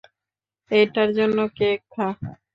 এটার জন্য, কেক খা।